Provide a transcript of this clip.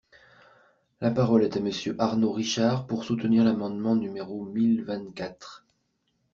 La parole est à Monsieur Arnaud Richard, pour soutenir l’amendement numéro mille vingt-quatre.